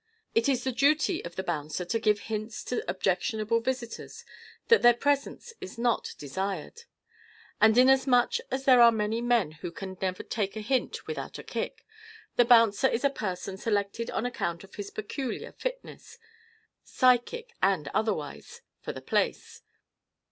It is the duty of the bouncer to give hints to objectionable visitors that their presence is not desired. And inasmuch as there are many men who can never take a hint without a kick, the bouncer is a person selected on account of his peculiar fitness psychic and otherwise for the place.